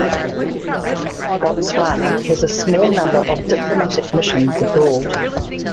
Botswana has a small number of diplomatic missions abroad.